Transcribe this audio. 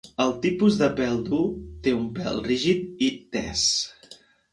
El tipus de pèl dur, té un pèl rígid i tes.